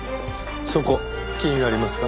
そこ気になりますか？